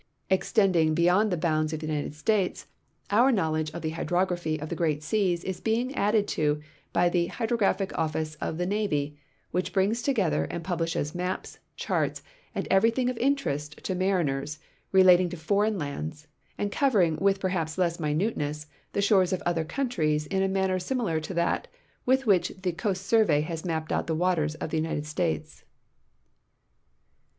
Extending beyond the bounds of the Uniteil States, our knowl edge of the hydrography of the great s('as is being added to by the Hydrographic OHice ol' the Navy, which bi ings together and ]»ublishes maps, charts, and everything of interest to mariners relating to foreign lands, and covering with jierhaps less minute ness the shores of other countries in a iminner similar to that 150 RECENT TRI ANGULATION IN THE CASCADES with which the Coast Survey has mapj^ecl out the waters of the United States.